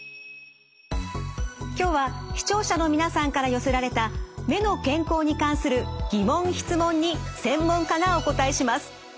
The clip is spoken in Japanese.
今日は視聴者の皆さんから寄せられた目の健康に関する疑問質問に専門家がお答えします。